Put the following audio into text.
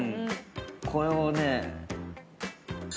これをね。